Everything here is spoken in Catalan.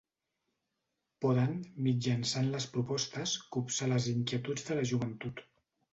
Poden, mitjançant les propostes, copsar les inquietuds de la joventut.